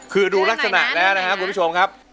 คือดูลักษณะแล้วนะครับคุณผู้ชมครับ